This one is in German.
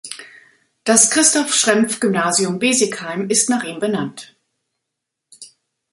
Das Christoph-Schrempf-Gymnasium Besigheim ist nach ihm benannt.